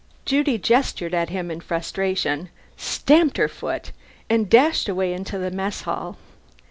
Judy gestured at him in frustration, stamped her foot, and dashed away into the mess hall.